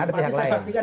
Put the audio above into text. ada pihak lain